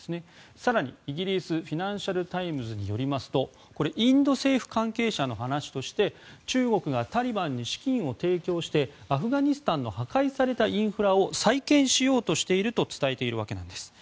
更にイギリスフィナンシャル・タイムズによりますとインド政府関係者の話として中国がタリバンに資金を提供してアフガニスタンの破壊されたインフラを再建しようとしていると伝えているんです。